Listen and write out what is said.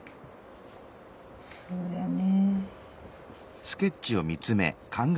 そうやね。